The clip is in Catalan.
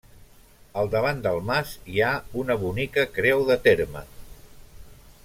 Al davant del mas hi ha una bonica creu de terme.